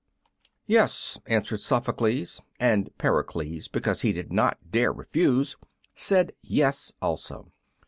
"Yes," answered Sophocles; and Pericles, because he did not dare refuse, said "Yes" also.